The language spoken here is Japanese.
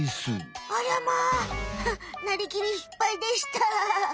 ありゃまなりきりしっぱいでした。